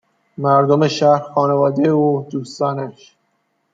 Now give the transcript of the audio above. مردم شهر ، خانواده او ، دوستانش